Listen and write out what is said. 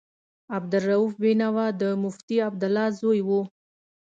عبدالرؤف بېنوا د مفتي عبدالله زوی و.